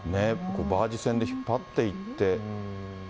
バージ船で引っ張っていって。